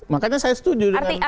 makanya saya setuju dengan pak hikam